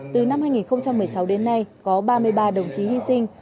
từ năm hai nghìn một mươi sáu đến nay có ba mươi ba đồng chí hy sinh